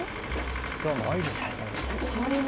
「じゃないですね」